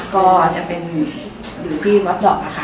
ก็จะเป็นอยู่ที่วัดดอกนะคะ